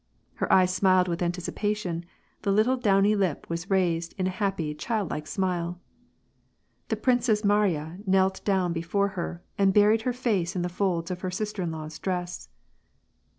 Her eyes smiled with anticipation, the little, downy lip was raised in a happy, childlike smile. The Princess Mariya knelt down before her, and buried her face in the folds of her sister in law's dress.